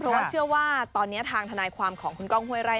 เพราะว่าเชื่อว่าตอนนี้ทางทนายความของคุณก้องห้วยไร่